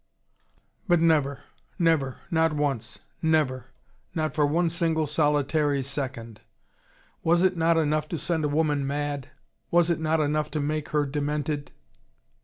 But never! Never! Not once! Never! Not for one single solitary second! Was it not enough to send a woman mad! Was it not enough to make her demented!